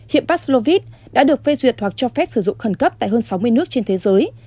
hiện paslovit đã được phê duyệt hoặc cho phép sử dụng khẩn cấp tại hơn sáu mươi nước trên thế giới